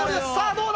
どうだ！